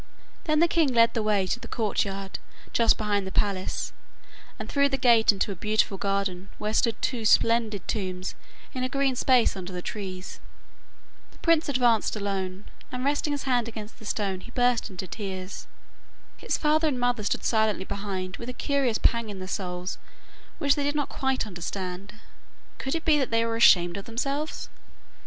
Then the king led the way to the courtyard just behind the palace, and through the gate into a beautiful garden where stood two splendid tombs in a green space under the trees. The prince advanced alone, and, resting his head against the stone, he burst into tears. His father and mother stood silently behind with a curious pang in their souls which they did not quite understand. Could it be that they were ashamed of themselves?